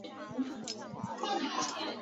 县名来自同名的河流。